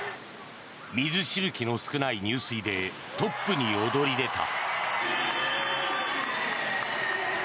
水しぶきの少ない入水でトップに躍り出た。